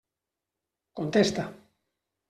Contesta.